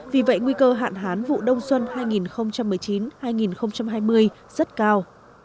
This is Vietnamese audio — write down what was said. vì vậy nguy cơ hạn hán vụ đông xuân hai nghìn một mươi chín hai nghìn hai mươi rất cao